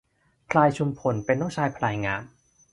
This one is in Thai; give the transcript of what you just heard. พลายชุมพลเป็นน้องชายพลายงาม